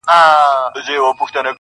او له واکه یې وتلی وو هر غړی -